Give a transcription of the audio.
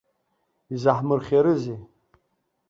Изаҳмырхиарызеи.